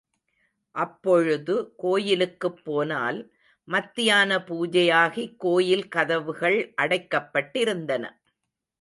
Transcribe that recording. அப்பொழுது கோயிலுக்குப் போனால், மத்யான பூஜையாகிக் கோயில் கதவுகள் அடைக்கப்பட்டிருந்தன!